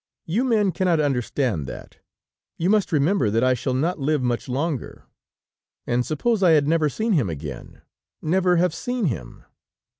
You men cannot understand that. You must remember that I shall not live much longer, and suppose I had never seen him again! never have seen him!...